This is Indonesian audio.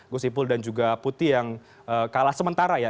gus ipul dan juga putih yang kalah sementara ya